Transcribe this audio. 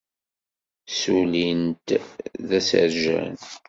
Ssulin-t d asarjan.